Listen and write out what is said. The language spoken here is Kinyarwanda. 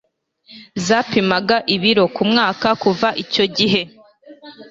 zapimaga ibiro ku mwaka kuva icyo gihe